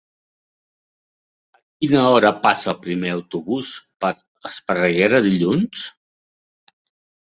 A quina hora passa el primer autobús per Esparreguera dilluns?